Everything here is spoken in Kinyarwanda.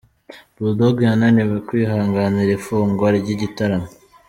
Bull Dogg yananiwe kwihanganira ifungwa ry'igitaramo.